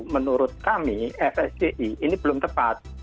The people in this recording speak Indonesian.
menurut kami fsgi ini belum tepat